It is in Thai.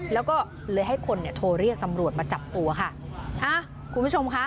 แล้วก็เลยให้คนเนี่ยโทรเรียกตำรวจมาจับตัวค่ะอ่ะคุณผู้ชมค่ะ